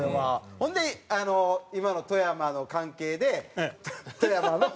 ほんで今の富山の関係で富山の。